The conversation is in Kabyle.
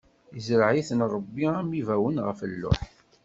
Izreɛ-iten Ṛebbi am ibawen ɣef lluḥ.